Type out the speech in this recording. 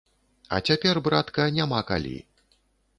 А цяпер, братка, няма калі.